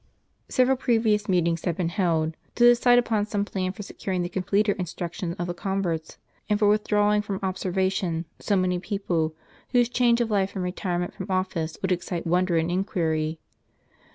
Sev eral previous meetings had been held, to decide upon some plan for securing the completer instruction of the converts, and for withdrawing from observation so many persons, whose change of life and retirement from office would excite wonder and inquiry.